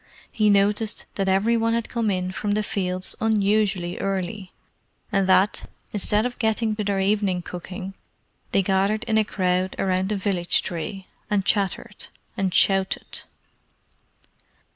He noticed that every one had come in from the fields unusually early, and that, instead of getting to their evening cooking, they gathered in a crowd under the village tree, and chattered, and shouted.